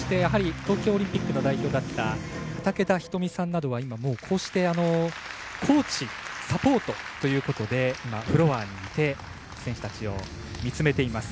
東京オリンピックの代表だった畠田瞳さんなどは今、こうしてコーチ、サポートということでフロアにいて選手たちを見つめています。